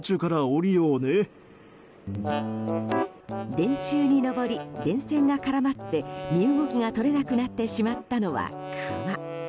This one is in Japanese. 電柱に登り、電線が絡まって身動きが取れなくなってしまったのはクマ。